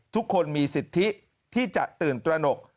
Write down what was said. ทุกคนมีสิทธิที่จะตื่นตระหนก